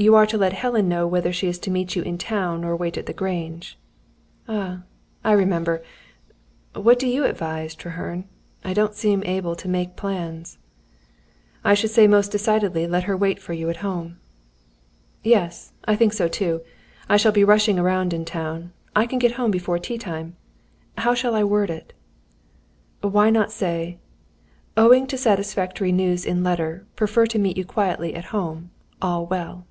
"You are to let Helen know whether she is to meet you in town, or to wait at the Grange." "Ah, I remember. What do you advise, Treherne? I don't seem able to make plans." "I should say most decidedly, let her wait for you at home." "Yes, I think so too. I shall be rushing around in town. I can get home before tea time. How shall I word it?" "Why not say: _Owing to satisfactory news in letter, prefer to meet you quietly at home. All well.